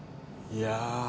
いや。